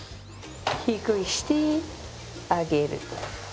低くして上げる。